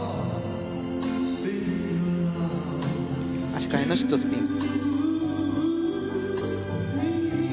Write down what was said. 足換えのシットスピン。